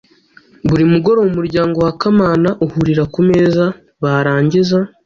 Buri mugoroba umuryango wa Kamana uhurira ku meza, barangiza